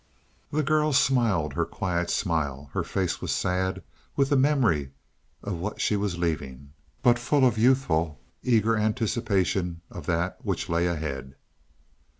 The girl smiled her quiet smile; her face was sad with the memory of what she was leaving, but full of youthful, eager anticipation of that which lay ahead.